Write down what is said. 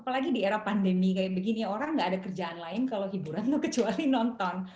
apalagi di era pandemi kayak begini orang gak ada kerjaan lain kalau hiburan kecuali nonton